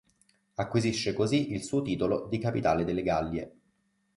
Acquisisce così il suo titolo di "Capitale delle Gallie".